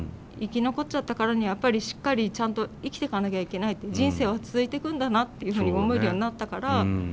生き残っちゃったからにはやっぱりしっかりちゃんと生きてかなきゃいけないって人生は続いてくんだなっていうふうに思えるようになったから。